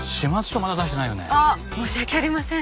申し訳ありません。